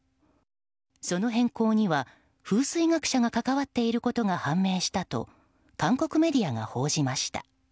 その変更には、風水学者が関わっていることが判明したと韓国メディアが報じました。